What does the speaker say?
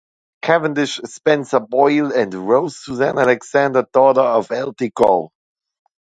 Cavendish Spencer Boyle and Rose Susan Alexander, daughter of Lt-Col.